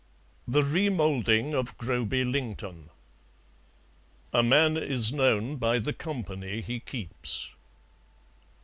THE REMOULDING OF GROBY LINGTON "A man is known by the company he keeps."